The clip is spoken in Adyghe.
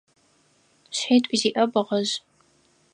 Шъхьитӏу зиӏэ бгъэжъ.